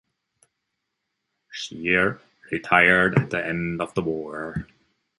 Scheer retired after the end of the war.